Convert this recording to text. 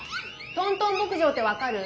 トントン牧場って分かる？